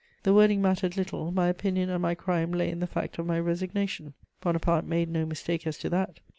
The wording mattered little: my opinion and my crime lay in the fact of my resignation: Bonaparte made no mistake as to that.